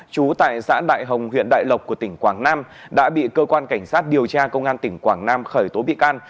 chú tại xã đại hồng huyện đại lộc của tỉnh quảng nam đã bị cơ quan cảnh sát điều tra công an tỉnh quảng nam khởi tố bị can